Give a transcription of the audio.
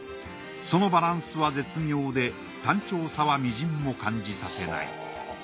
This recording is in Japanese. そのバランスは絶妙で単調さはみじんも感じさせない。